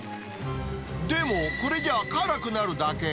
でも、これじゃ辛くなるだけ。